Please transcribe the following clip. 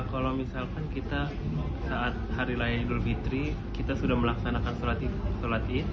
kalau misalkan kita saat hari raya idul fitri kita sudah melaksanakan sholat id